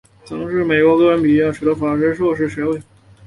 曾至美国哥伦比亚大学取得法学硕士学位。